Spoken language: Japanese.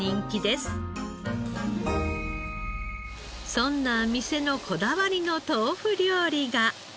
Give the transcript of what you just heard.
そんな店のこだわりの豆腐料理が。